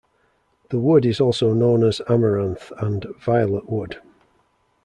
The wood is also known as amaranth and violet wood.